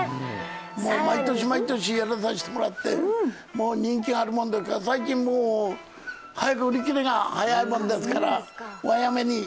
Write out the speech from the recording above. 毎年毎年やらせてもらって、人気があるもんですから、最近、売り切れが早いもんですから、早めに。